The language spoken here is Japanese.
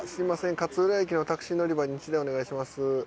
勝浦駅のタクシー乗り場に１台お願いします。